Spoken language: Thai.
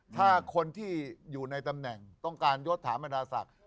ถ้าคนที่อยู่ในตำแหน่งต้องการยดถามดาศักดิ์